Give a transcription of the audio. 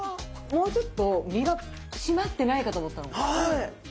もうちょっと身が締まってないかと思ったの。